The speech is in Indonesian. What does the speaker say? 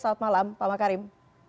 salam malam pak makarim